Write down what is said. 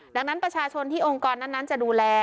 ดังนั้นประชาชนที่องค์กรนั้นจะดูแล